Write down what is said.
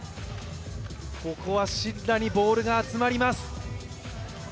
ここはシッラにボールが集まります。